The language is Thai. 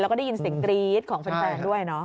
แล้วก็ได้ยินเสียงกรี๊ดของแฟนด้วยเนาะ